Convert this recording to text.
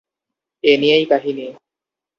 এ নিয়েই কাহিনী।